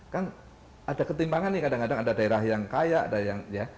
kan ada ketimbangan nih kadang kadang ada daerah yang kaya ada yang ya